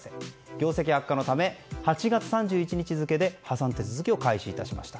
業績悪化のため８月３１日付で破産手続きを開始いたしました。